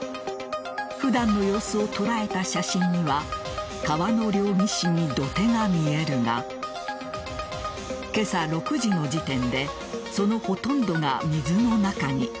普段の様子を捉えた写真には川の両岸に土手が見えるが今朝６時の時点でそのほとんどが水の中に。